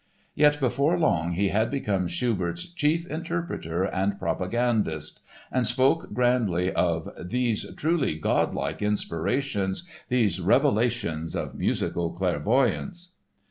Yet before long he had become Schubert's chief interpreter and propagandist, and spoke grandly of "these truly god like inspirations, these revelations of musical clairvoyance."